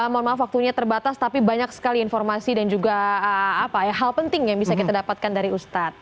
mohon maaf waktunya terbatas tapi banyak sekali informasi dan juga hal penting yang bisa kita dapatkan dari ustadz